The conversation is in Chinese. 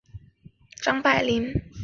张百麟。